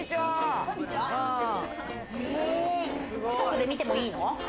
近くで見てもいいの？